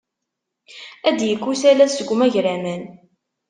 Ad d-yekk usalas seg umagraman.